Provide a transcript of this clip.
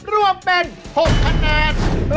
รวมเป็น๖คะแนน